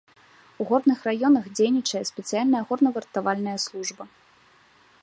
У горных раёнах дзейнічае спецыяльная горнавыратавальная служба.